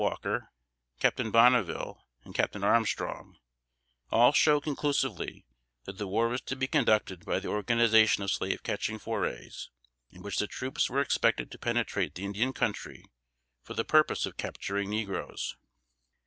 Walker, Captain Bonneville and Captain Armstrong; all show, conclusively, that the war was to be conducted by the organization of slave catching forays, in which the troops were expected to penetrate the Indian Country for the purpose of capturing negroes.